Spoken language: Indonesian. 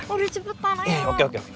udah cepetan ayo